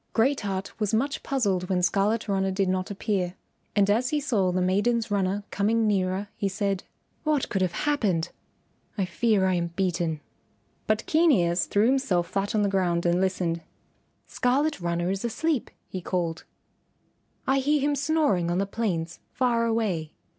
Great Heart was much puzzled when Scarlet Runner did not appear, and as he saw the maiden's runner coming nearer, he said, "What can have happened? I fear I am beaten." But Keen Ears threw himself flat on the ground and listened. "Scarlet Runner is asleep," he called; "I hear him snoring on the plains far away."